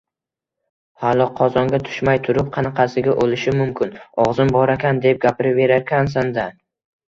Hali qozonga tushmay turib, qanaqasiga o‘lishim mumkin? Og‘zim borakan deb gapiraverarkansan-da